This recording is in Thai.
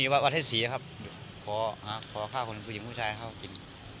วัดเทศสีค่ะขอข้าวกับผู้หญิงผู้ชายหนีเข้ากิน